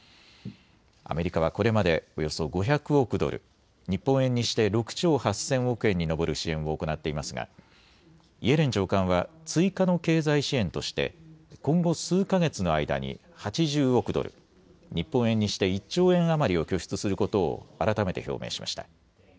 アメリカはこれまでおよそ５００億ドル、日本円にして６兆８０００億円に上る支援を行っていますがイエレン長官は追加の経済支援として今後、数か月の間に８０億ドル、日本円にして１兆円余りを拠出することを改めて表明しました。